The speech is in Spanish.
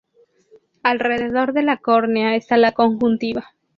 Alrededor de la córnea está la conjuntiva.